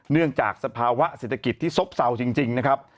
จากสภาวะเศรษฐกิจที่ซบเศร้าจริงนะครับ